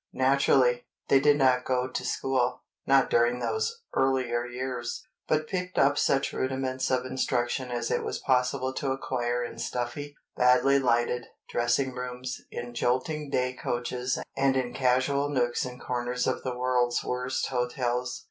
Naturally, they did not go to school—not during those earlier years—but picked up such rudiments of instruction as it was possible to acquire in stuffy, badly lighted, dressing rooms, in jolting day coaches and in casual nooks and corners of the world's worst hotels.